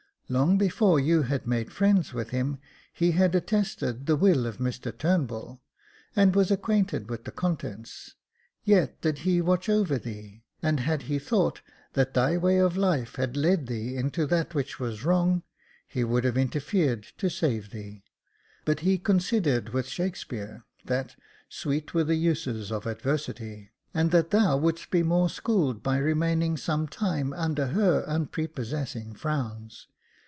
Long before you had made friends with him, he had attested the will of Mr Turnbull, and was acquainted with the contents. Yet did he watch over thee, and had he thought that thy way of life had led thee into that which was wrong, he would have interfered to save thee ; but he considered with Shakespeare, that * sweet were the uses of adversity,' and that thou wouldst be more schooled by remaining some time under her unprepossessing frowns.